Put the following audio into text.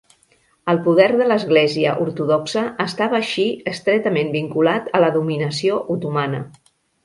El poder de l'Església Ortodoxa estava així estretament vinculat a la dominació otomana.